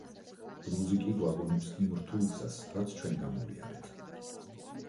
ბლუზი კი გვაგონებს იმ რთულ გზას რაც ჩვენ გამოვიარეთ.